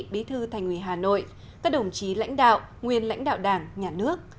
bí thư thành ủy hà nội các đồng chí lãnh đạo nguyên lãnh đạo đảng nhà nước